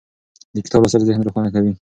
د کتاب لوستل ذهن روښانه کوي.